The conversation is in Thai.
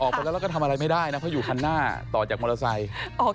ออกไปแล้วแล้วก็ทำอะไรไม่ได้นะเพราะอยู่คันหน้าต่อจากมอเตอร์ไซค์ออก